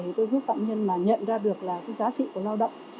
thì tôi giúp phạm nhân nhận ra được cái giá trị của lao động